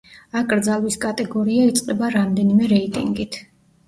აკრძალვის კატეგორია იწყება რამდენიმე რეიტინგით.